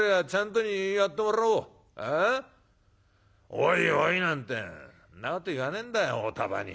『おいおい』なんてんなこと言わねえんだよおおたばに。